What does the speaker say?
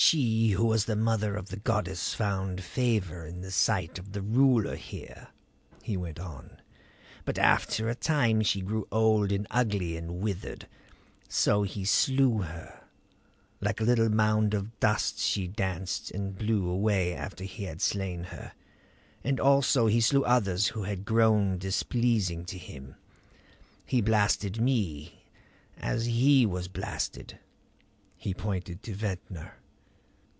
"She who was the mother of the goddess found favor in the sight of the ruler here," he went on. "But after a time she grew old and ugly and withered. So he slew her like a little mound of dust she danced and blew away after he had slain her; and also he slew others who had grown displeasing to him. He blasted me as he was blasted " He pointed to Ventnor.